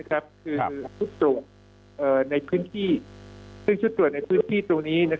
คือชุดตรวจในพื้นที่ซึ่งชุดตรวจในพื้นที่ตรงนี้